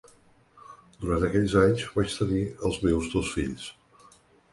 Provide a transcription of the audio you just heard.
Durant aquells anys vaig tenir els meus dos fills.